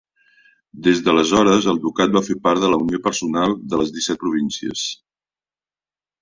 Des d'aleshores, el ducat va fer part de la unió personal de les Disset Províncies.